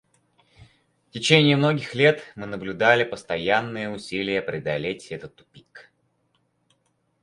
В течение многих лет мы наблюдали постоянные усилия преодолеть этот тупик.